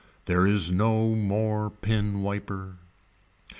There is no more pen wiper.